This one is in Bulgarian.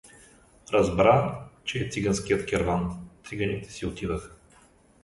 Разбра, че е циганският керван — циганите си отиваха.